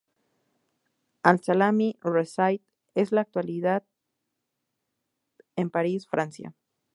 Al-Salami reside en la actualidad en París, Francia.